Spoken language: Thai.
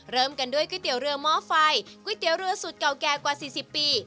เริ่มกันด้วยก๋วยเตี๋ยวเรือหม้อไฟก๋วยเตี๋ยวเรือสุดเก่าแก่กว่า๔๐ปี